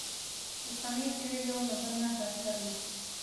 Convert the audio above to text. پښتني څېرې یو بل نه ښایسته وې